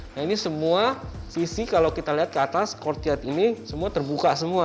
nah ini semua visi kalau kita lihat ke atas courtyard ini semua terbuka semua